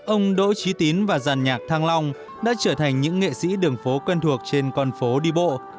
ông đỗ trí tín và giàn nhạc thăng long đã trở thành những nghệ sĩ đường phố quen thuộc trên con phố đi bộ